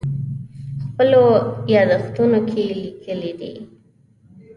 خپلو یادښتونو کې لیکلي دي.